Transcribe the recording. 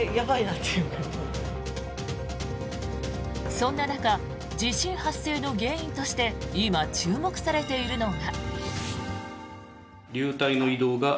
そんな中地震発生の原因として今、注目されているのが。